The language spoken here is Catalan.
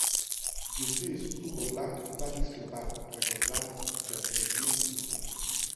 Justice Hugo Black va discrepar, recolzat per Justice Douglas.